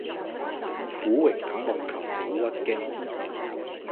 苦榮打網球好屈機